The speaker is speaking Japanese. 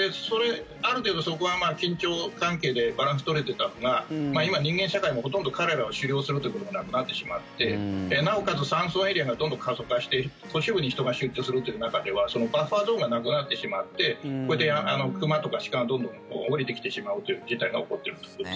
ある程度、そこは緊張関係でバランスが取れていたのが今、人間社会もほとんど彼らを狩猟するということがなくなってしまってなおかつ山村エリアがどんどん過疎化して都市部に人が集中するという中ではバッファーゾーンがなくなってしまって熊とか鹿が、どんどん下りてきてしまうという事態が起こってるってことですね。